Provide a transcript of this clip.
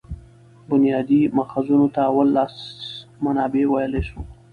بنیادي ماخذونو ته اول لاس منابع ویلای سو.